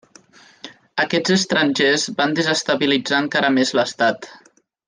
Aquests estrangers van desestabilitzar encara més l'estat.